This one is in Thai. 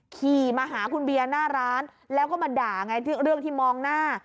ขี่มาหาคุณเบียร์หน้าร้านแล้วก็มาด่าไงเรื่องที่มองหน้า